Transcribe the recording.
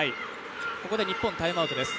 ここで日本、タイムアウトです。